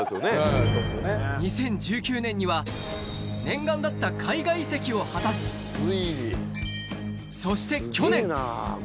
２０１９年には、念願だった海外移籍を果たし、そして去年。